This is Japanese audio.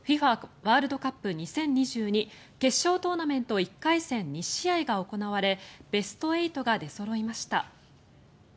ワールドカップ２０２２決勝トーナメント１回戦２試合が行われベスト８が出そろいました。